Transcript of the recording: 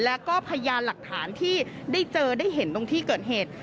แล้วก็พยานหลักฐานที่ได้เจอได้เห็นตรงที่เกิดเหตุ